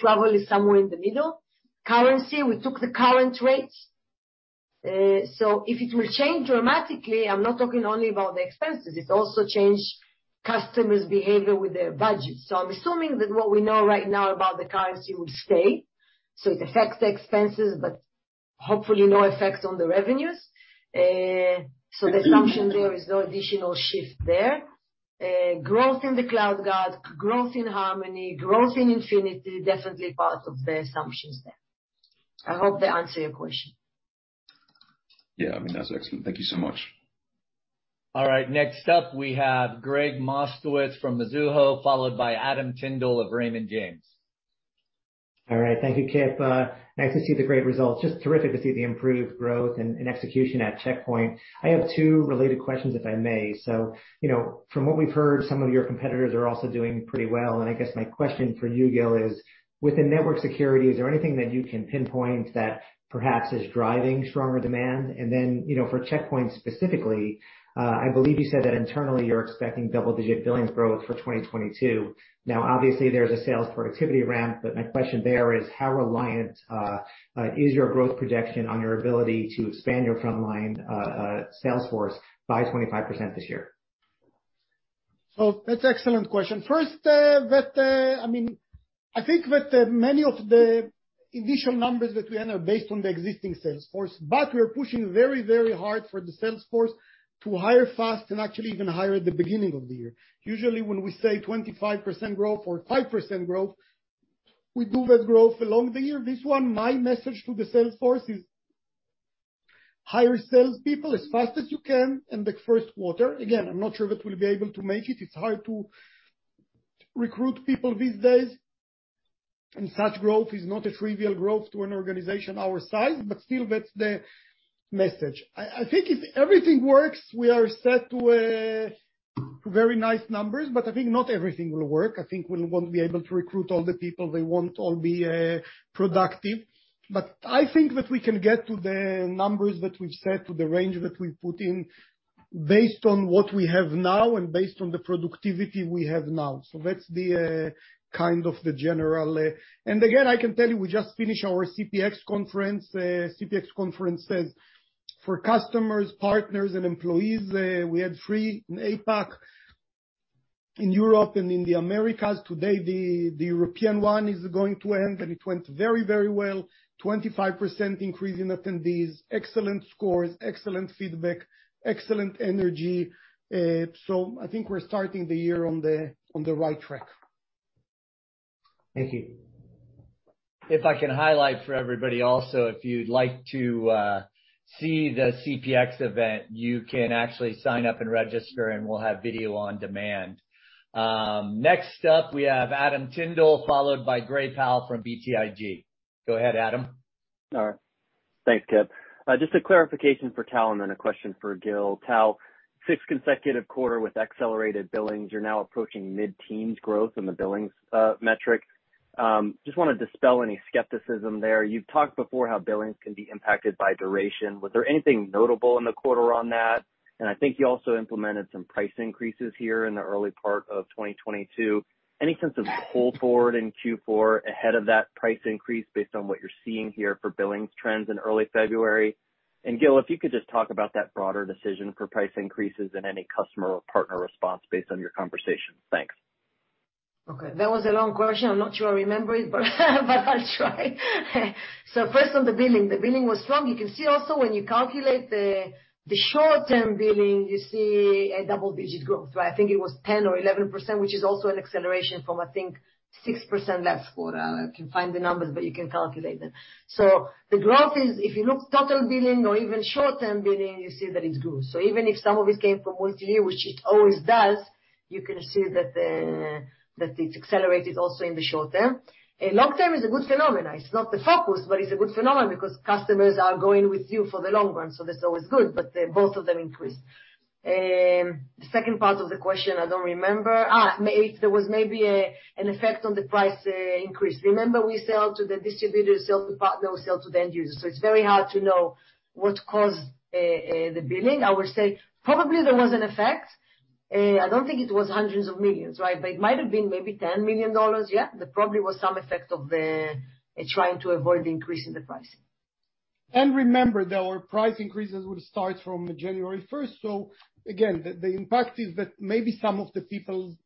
Travel is somewhere in the middle. Currency, we took the current rates. If it will change dramatically, I'm not talking only about the expenses, it also change customers' behavior with their budget. I'm assuming that what we know right now about the currency will stay, so it affects the expenses, but hopefully no effect on the revenues. The assumption there is no additional shift there. Growth in the CloudGuard, growth in Harmony, growth in Infinity, definitely part of the assumptions there. I hope that answer your question. Yeah. I mean, that's excellent. Thank you so much. All right, next up we have Gregg Moskowitz from Mizuho, followed by Adam Tindle of Raymond James. All right. Thank you, Kip. Nice to see the great results. Just terrific to see the improved growth and execution at Check Point. I have two related questions, if I may. So, you know, from what we've heard, some of your competitors are also doing pretty well. And I guess my question for you, Gil, is, within network security, is there anything that you can pinpoint that perhaps is driving stronger demand? And then, you know, for Check Point specifically, I believe you said that internally you're expecting double-digit billings growth for 2022. Now, obviously there's a sales productivity ramp, but my question there is how reliant is your growth projection on your ability to expand your frontline sales force by 25% this year? That's an excellent question. First, I mean, I think that many of the initial numbers that we enter are based on the existing sales force, but we're pushing very, very hard for the sales force to hire fast and actually even hire at the beginning of the year. Usually, when we say 25% growth or 5% growth, we do that growth along the year. This one, my message to the sales force is, hire sales people as fast as you can in the first quarter. Again, I'm not sure if it will be able to make it. It's hard to recruit people these days, and such growth is not a trivial growth to an organization our size, but still that's the message. I think if everything works, we are set to very nice numbers, but I think not everything will work. I think we won't be able to recruit all the people. They won't all be productive. But I think that we can get to the numbers that we've set, to the range that we've put in based on what we have now and based on the productivity we have now. That's kind of the general. I can tell you, we just finished our CPX conference. CPX conference is for customers, partners, and employees. We had three in APAC, in Europe, and in the Americas. Today, the European one is going to end, and it went very, very well. 25% increase in attendees, excellent scores, excellent feedback, excellent energy. I think we're starting the year on the right track. Thank you. If I can highlight for everybody also, if you'd like to see the CPX event, you can actually sign up and register, and we'll have video on demand. Next up we have Adam Tindle, followed by Gray Powell from BTIG. Go ahead, Adam. All right. Thanks, Kip. Just a clarification for Tal, and then a question for Gil. Tal, sixth consecutive quarter with accelerated billings. You're now approaching mid-teens growth in the billings metric. Just wanna dispel any skepticism there. You've talked before how billings can be impacted by duration. Was there anything notable in the quarter on that? I think you also implemented some price increases here in the early part of 2022. Any sense of pull-forward in Q4 ahead of that price increase based on what you're seeing here for billings trends in early February? Gil, if you could just talk about that broader decision for price increases and any customer or partner response based on your conversations. Thanks. Okay. That was a long question. I'm not sure I remember it, but I'll try. First on the billing. The billing was strong. You can see also when you calculate the short-term billing, you see a double-digit growth, right? I think it was 10 or 11%, which is also an acceleration from, I think, 6% last quarter. I can find the numbers, but you can calculate them. The growth is, if you look total billing or even short-term billing, you see that it's good. Even if some of it came from 1T, which it always does, you can see that it's accelerated also in the short term. Long term is a good phenomenon. It's not the focus, but it's a good phenomenon because customers are going with you for the long run, so that's always good, but both of them increased. The second part of the question, I don't remember. If there was maybe an effect on the price increase. Remember, we sell to the distributors, they will sell to the end users. It's very hard to know what caused the billing. I would say probably there was an effect. I don't think it was hundreds of millions, right? It might have been maybe $10 million. Yeah. That probably was some effect of the trying to avoid increasing the pricing. Remember that our price increases would start from January first. Again, the impact is that maybe some of the people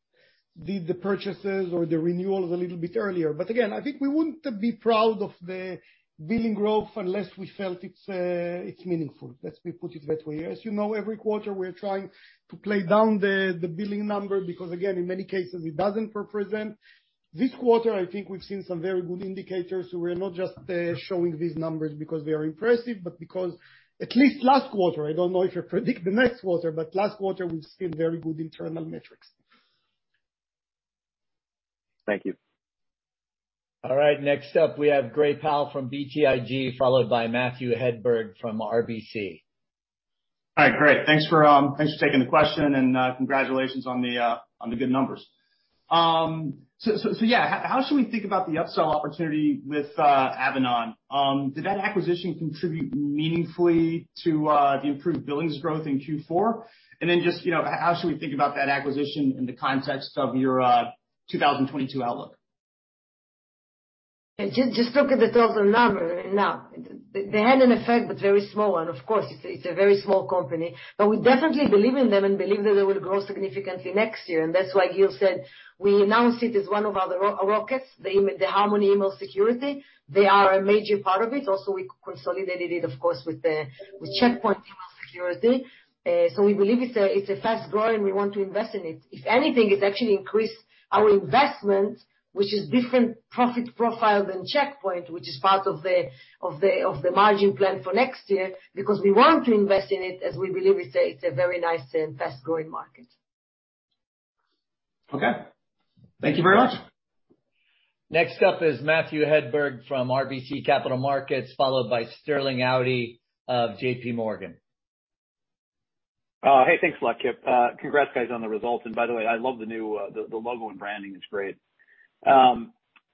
did the purchases or the renewals a little bit earlier. Again, I think we wouldn't be proud of the billing growth unless we felt it's meaningful. Let me put it that way. As you know, every quarter, we're trying to play down the billing number because again, in many cases, it doesn't represent. This quarter, I think we've seen some very good indicators, so we're not just showing these numbers because they are impressive, but because at least last quarter, I don't know if you predict the next quarter, but last quarter, we've seen very good internal metrics. Thank you. All right, next up, we have Gray Powell from BTIG, followed by Matthew Hedberg from RBC. Hi, great. Thanks for taking the question, and congratulations on the good numbers. Yeah. How should we think about the upsell opportunity with Avanan? Did that acquisition contribute meaningfully to the improved billings growth in Q4? Just, you know, how should we think about that acquisition in the context of your 2022 outlook? Just look at the total number now. They had an effect, but very small one. Of course, it's a very small company, but we definitely believe in them and believe that they will grow significantly next year. That's why Gil said we announce it as one of our rockets, the Harmony Email Security. They are a major part of it. Also, we consolidated it, of course, with Check Point Email Security. We believe it's a fast-growing, we want to invest in it. If anything, it actually increased our investment, which is different profit profile than Check Point, which is part of the margin plan for next year, because we want to invest in it as we believe it's a very nice and fast-growing market. Okay. Thank you very much. Next up is Matthew Hedberg from RBC Capital Markets, followed by Sterling Auty of JPMorgan. Hey, thanks a lot, Kip. Congrats guys on the results. By the way, I love the new logo and branding. It's great.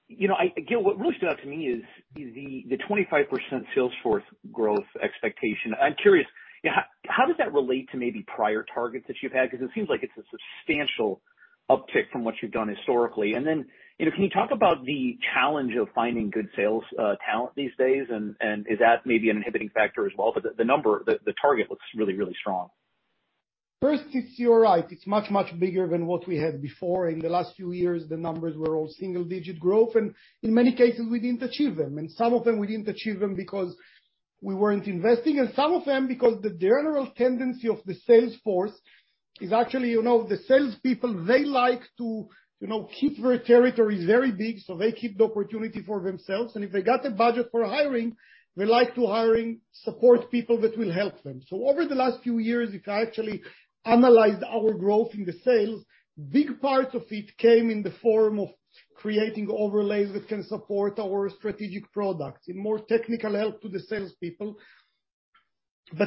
You know, Gil, what really stood out to me is the 25% sales force growth expectation. I'm curious, yeah, how does that relate to maybe prior targets that you've had? Because it seems like it's a substantial uptick from what you've done historically. Then, you know, can you talk about the challenge of finding good sales talent these days? And is that maybe an inhibiting factor as well? The number, the target looks really strong. First, it's you're right. It's much, much bigger than what we had before. In the last few years, the numbers were all single digit growth, and in many cases we didn't achieve them. Some of them, we didn't achieve them because we weren't investing, and some of them because the general tendency of the sales force is actually, you know, the salespeople, they like to, you know, keep their territories very big, so they keep the opportunity for themselves. And if they got the budget for hiring, they like to hiring support people that will help them. Over the last few years, if I actually analyzed our growth in the sales, big parts of it came in the form of creating overlays that can support our strategic products and more technical help to the salespeople.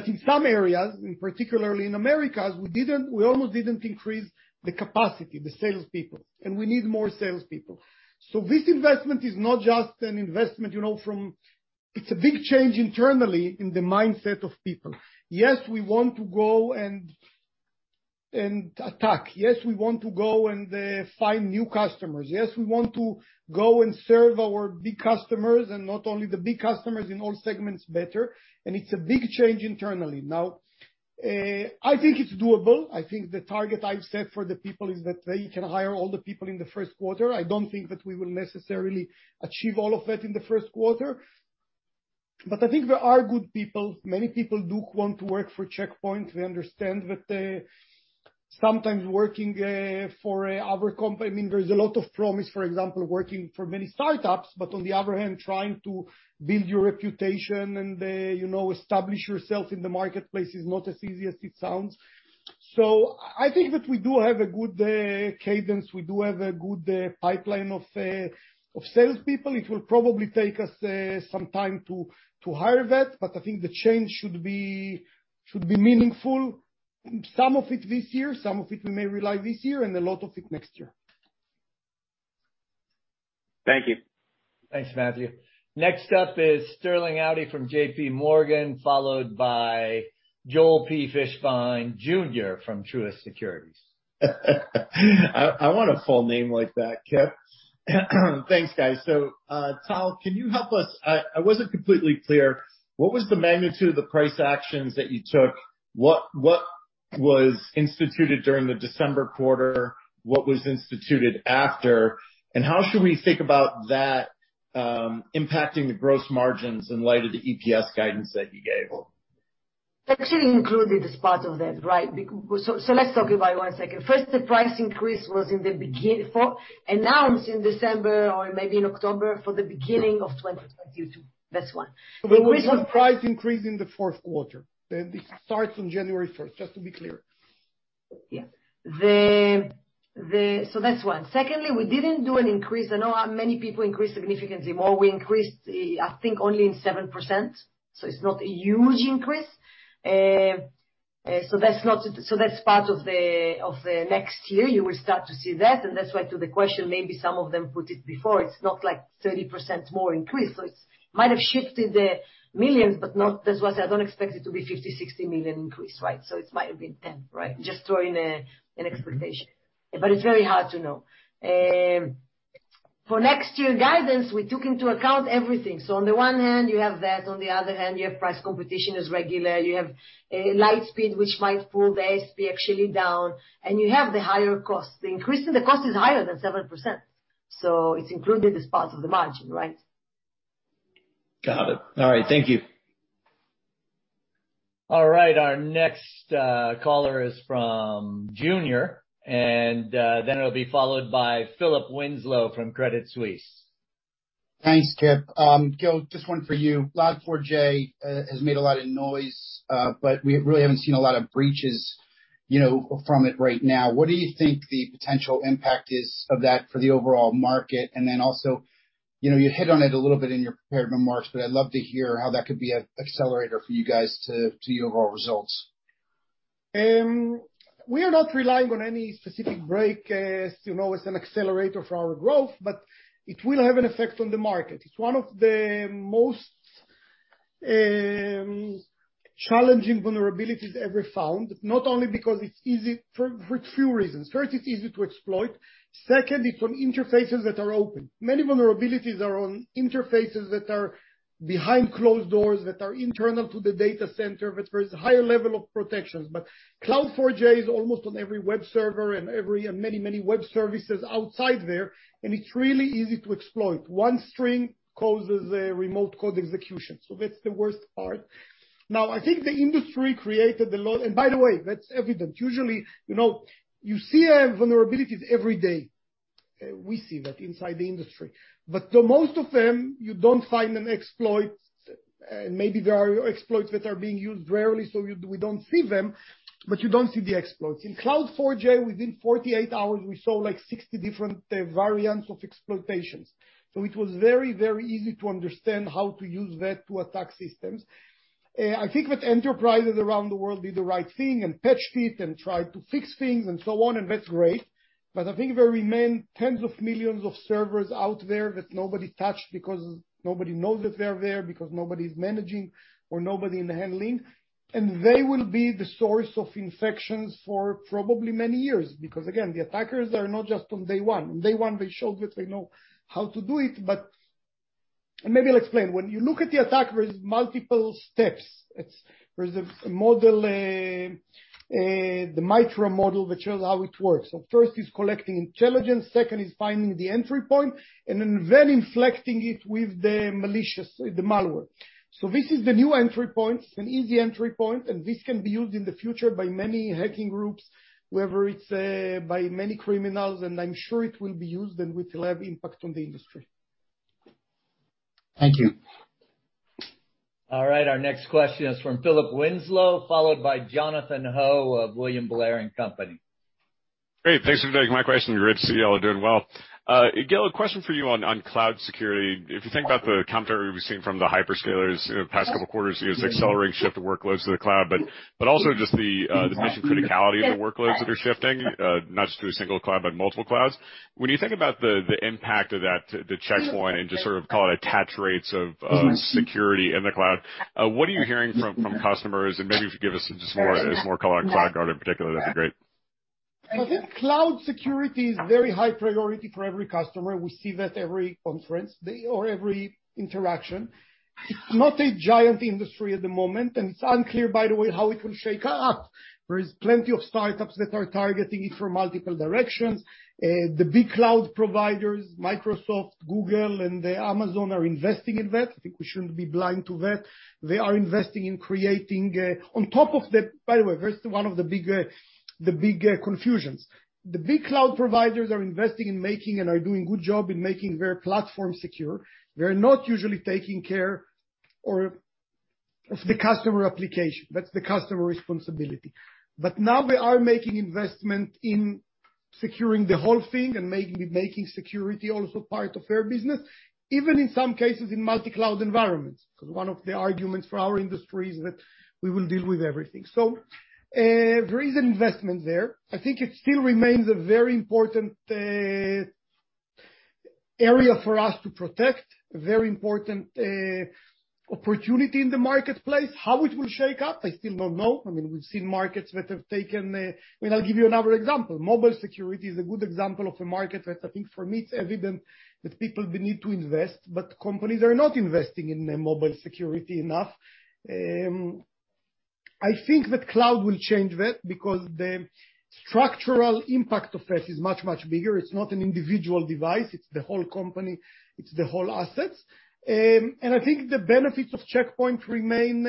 In some areas, particularly in Americas, we almost didn't increase the capacity, the salespeople. We need more salespeople. This investment is not just an investment. It's a big change internally in the mindset of people. Yes, we want to go and attack. Yes, we want to go and find new customers. Yes, we want to go and serve our big customers, and not only the big customers in all segments better. It's a big change internally. I think it's doable. I think the target I've set for the people is that they can hire all the people in the first quarter. I don't think that we will necessarily achieve all of that in the first quarter. I think there are good people. Many people do want to work for Check Point. They understand that sometimes working for another company, I mean, there's a lot of promise, for example, working for many startups, but on the other hand, trying to build your reputation and you know, establish yourself in the marketplace is not as easy as it sounds. I think that we do have a good cadence. We do have a good pipeline of salespeople. It will probably take us some time to hire that, but I think the change should be meaningful. Some of it this year, some of it we may realize this year, and a lot of it next year. Thank you. Thanks, Matthew. Next up is Sterling Auty from JPMorgan, followed by Joel P. Fishbein Jr. from Truist Securities. I want a full name like that, Kip. Thanks, guys. Tal, can you help us? I wasn't completely clear. What was the magnitude of the price actions that you took? was instituted during the December quarter, what was instituted after, and how should we think about that, impacting the gross margins in light of the EPS guidance that you gave? Actually included as part of that, right. Let's talk about it one second. First, the price increase was announced in December or maybe in October for the beginning of 2022. That's one. There was no price increase in the fourth quarter. This starts on January first, just to be clear. Yeah. That's one. Secondly, we didn't do an increase. I know how many people increased significantly more. We increased, I think, only 7%, so it's not a huge increase. That's part of the next year. You will start to see that, and that's why to the question, maybe some of them put it before. It's not like 30% more increase. It might have shifted the millions, but not. That's why I said don't expect it to be $50-$60 million increase, right? It might have been $10 million, right? Just throwing an expectation. But it's very hard to know. For next year guidance, we took into account everything. On the one hand, you have that. On the other hand, you have price competition is regular. You have LightSpeed, which might pull the ASP actually down, and you have the higher costs. The increase in the cost is higher than 7%, so it's included as part of the margin, right? Got it. All right. Thank you. All right. Our next caller is from Joel P. Fishbein Jr., and then it'll be followed by Philip Winslow from Credit Suisse. Thanks, Kip. Gil, just one for you. Log4j has made a lot of noise, but we really haven't seen a lot of breaches, you know, from it right now. What do you think the potential impact is of that for the overall market? Also, you know, you hit on it a little bit in your prepared remarks, but I'd love to hear how that could be a accelerator for you guys to your overall results. We are not relying on any specific breach, you know, as an accelerator for our growth, but it will have an effect on the market. It's one of the most challenging vulnerabilities ever found, not only because it's easy. For two reasons. First, it's easy to exploit. Second, it's on interfaces that are open. Many vulnerabilities are on interfaces that are behind closed doors, that are internal to the data center, but there is a higher level of protection. But Log4j is almost on every web server and many web services out there, and it's really easy to exploit. One string causes a remote code execution. So that's the worst part. Now, I think the industry created a lot. And by the way, that's evident. Usually, you know, you see vulnerabilities every day. We see that inside the industry. The most of them, you don't find an exploit. Maybe there are exploits that are being used rarely, so we don't see them, but you don't see the exploits. In Log4j, within 48 hours, we saw, like, 60 different variants of exploitations. It was very, very easy to understand how to use that to attack systems. I think that enterprises around the world did the right thing and patched it and tried to fix things and so on, and that's great. I think there remain tens of millions of servers out there that nobody touched because nobody knows that they're there, because nobody's managing, or nobody in the handling. They will be the source of infections for probably many years. Because again, the attackers are not just on day one. On day one, they showed that they know how to do it, but. Maybe I'll explain. When you look at the attack, there's multiple steps. There's a model, the MITRE model, which shows how it works. First is collecting intelligence, second is finding the entry point, and then infecting it with the malicious, the malware. This is the new entry point. It's an easy entry point, and this can be used in the future by many hacking groups, whether it's by many criminals, and I'm sure it will be used, and it will have impact on the industry. Thank you. All right. Our next question is from Philip Winslow, followed by Jonathan Ho of William Blair & Company. Great. Thanks for taking my question. Great to see y'all are doing well. Gil, a question for you on cloud security. If you think about the commentary we've seen from the hyperscalers in the past couple quarters, it was accelerating shift of workloads to the cloud, but also just the mission criticality of the workloads that are shifting, not just to a single cloud, but multiple clouds. When you think about the impact of that to Check Point and just sort of call it attach rates of security in the cloud, what are you hearing from customers? Maybe if you give us just more color on CloudGuard in particular, that'd be great. I think cloud security is very high priority for every customer. We see that every conference or every interaction. It's not a giant industry at the moment, and it's unclear, by the way, how it will shake up. There is plenty of startups that are targeting it from multiple directions. The big cloud providers, Microsoft, Google, and Amazon, are investing in that. I think we shouldn't be blind to that. They are investing in creating on top of that. By the way, that's one of the big confusions. The big cloud providers are investing in making and are doing good job in making their platform secure. They're not usually taking care of the customer application. That's the customer responsibility. Now they are making investment in securing the whole thing and making security also part of their business, even in some cases in multi-cloud environments, 'cause one of the arguments for our industry is that we will deal with everything. There is investment there. I think it still remains a very important area for us to protect, a very important opportunity in the marketplace. How it will shake up, I still don't know. I mean, we've seen markets that have taken. I mean, I'll give you another example. Mobile security is a good example of a market that I think for me, it's evident that people will need to invest, but companies are not investing in mobile security enough. I think that cloud will change that because the structural impact of that is much, much bigger. It's not an individual device, it's the whole company, it's the whole assets. I think the benefits of Check Point remain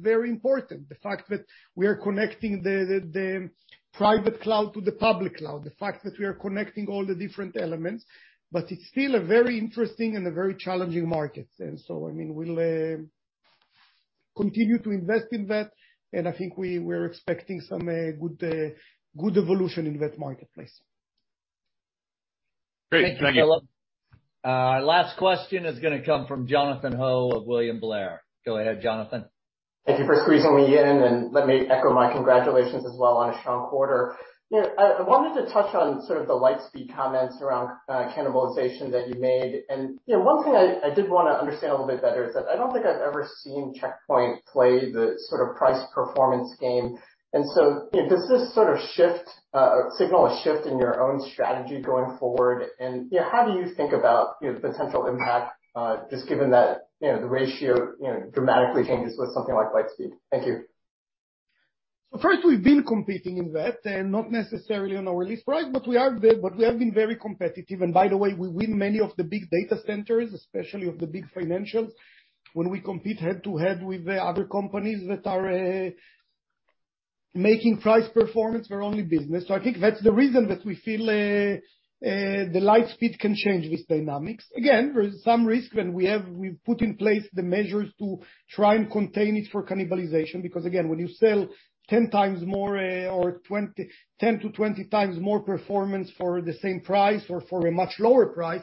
very important. The fact that we are connecting the private cloud to the public cloud, the fact that we are connecting all the different elements, but it's still a very interesting and a very challenging market. I mean, we'll continue to invest in that, and I think we're expecting some good evolution in that marketplace. Great. Thank you. Thank you, Philip. Last question is gonna come from Jonathan Ho of William Blair. Go ahead, Jonathan. Thank you for squeezing me in, and let me echo my congratulations as well on a strong quarter. You know, I wanted to touch on sort of the LightSpeed comments around cannibalization that you made. You know, one thing I did wanna understand a little bit better is that I don't think I've ever seen Check Point play the sort of price performance game. You know, does this sort of shift signal a shift in your own strategy going forward? You know, how do you think about the potential impact just given that the ratio dramatically changes with something like LightSpeed? Thank you. First we've been competing in that, and not necessarily on our release price, but we have been very competitive. By the way, we win many of the big data centers, especially of the big financials, when we compete head to head with the other companies that are making price performance their only business. I think that's the reason that we feel the light speed can change these dynamics. Again, there is some risk, and we've put in place the measures to try and contain it for cannibalization. Because, again, when you sell 10 times more or 20, 10 to 20 times more performance for the same price or for a much lower price,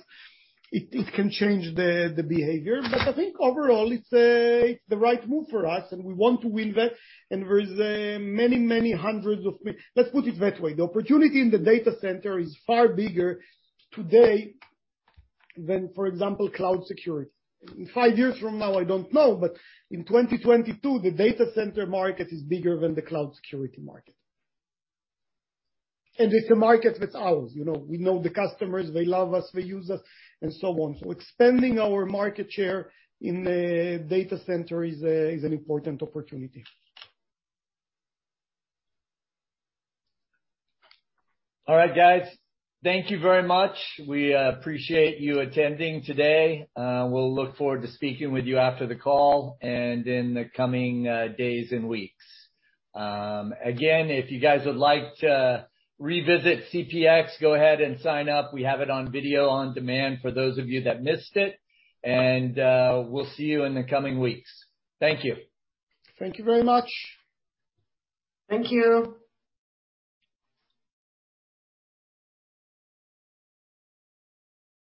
it can change the behavior. I think overall it's the right move for us, and we want to win that. Let's put it that way. The opportunity in the data center is far bigger today than, for example, cloud security. In five years from now, I don't know, but in 2022, the data center market is bigger than the cloud security market. It's a market that's ours. You know, we know the customers, they love us, they use us, and so on. Expanding our market share in the data center is an important opportunity. All right, guys. Thank you very much. We appreciate you attending today. We'll look forward to speaking with you after the call and in the coming days and weeks. Again, if you guys would like to revisit CPX, go ahead and sign up. We have it on video on demand for those of you that missed it. We'll see you in the coming weeks. Thank you. Thank you very much. Thank you.